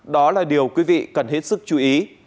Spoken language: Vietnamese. đó là điều quý vị cần hết sức chú ý